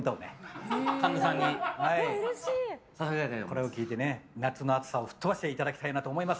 これを聞いて夏の暑さを吹っ飛ばしてほしいなと思います。